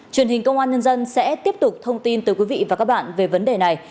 truyền hình công an nhân dân sẽ tiếp tục thông tin từ quý vị và các bạn về vấn đề này